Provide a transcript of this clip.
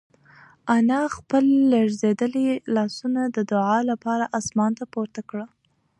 انا خپل لړزېدلي لاسونه د دعا لپاره اسمان ته پورته کړل.